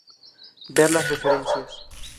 Ver las referencias.